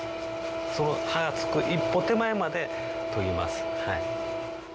その刃がつく一歩手前まで研ぎますはい。